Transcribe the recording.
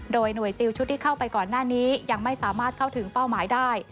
โดยหน่วยซิลชุดที่เข้าไปก่อนหน้านี้ยังไม่สามารถเข้าถึงเป้าหมายได้